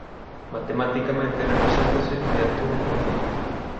Matematicamente represéntase mediante unha función.